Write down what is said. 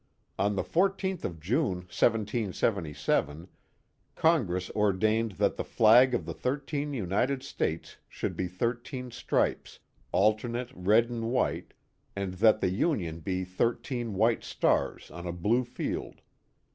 On the r4th of June, 1777, Congress ordained that the flag of the thirteen United States should be thirteen stripes, alternate red and white, and that the union be thirteen white stars on a blue field.